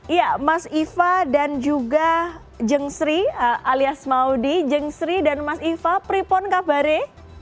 iya mas iva dan juga jeng sri alias maudi jeng sri dan mas iva pripon kabare